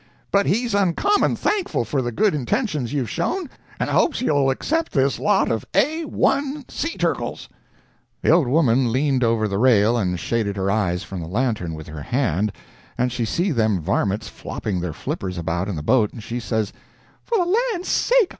But he's uncommon thankful for the good intentions you've shown, and hopes you'll accept this lot of A 1 sea turkles.' The old woman leaned over the rail and shaded her eyes from the lantern with her hand, and she see them varmints flopping their flippers about in the boat and she says: "'For the land's sake!